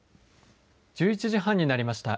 １１時半になりました。